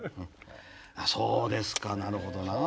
そうですかなるほどなあ。